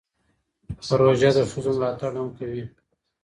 پروژه د ښځو ملاتړ هم کوي.